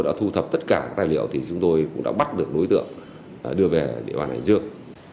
đã thu thập tất cả các tài liệu thì chúng tôi cũng đã bắt được đối tượng đưa về địa bàn hải dương